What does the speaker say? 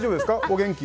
お元気？